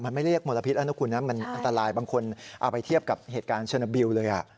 มันไม่เรียกมลพิษมันอันตรายบางคนเอาไปเทียบกับเหตุการณ์เชิญบิว